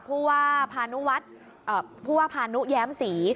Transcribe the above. ผู้ว่าพานุแย้มศรี